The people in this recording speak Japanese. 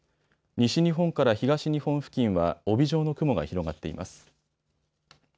西日本から東日本付近は帯状の雲が広がっています。